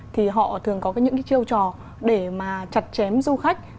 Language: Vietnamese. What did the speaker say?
thì họ thường có những cái chiêu trò để mà chặt chém du khách